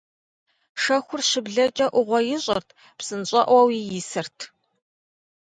Шэхур щыблэкӀэ Ӏугъуэ ищӀырт, псынщӀэӀуэуи исырт.